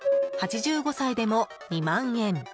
８５歳でも２万円。